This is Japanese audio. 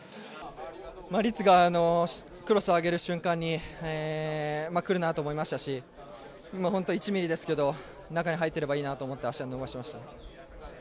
律がクロスを上げる瞬間に来るなと思いましたし本当に１ミリですけど中に入ってればいいなと思って足を伸ばしました。